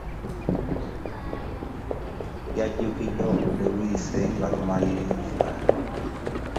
Yajjukidde obudde buyise nga tumaliriza.